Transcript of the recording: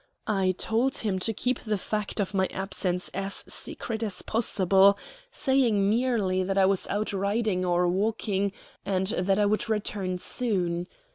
I told him to keep the fact of my absence as secret as possible, saying merely that I was out riding or walking, and that I would return soon.